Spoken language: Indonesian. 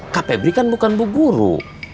kak febri kan bukan bu guru